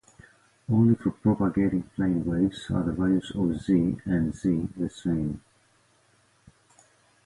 Only for propagating plane waves are the values of "Z" and "Z" the same.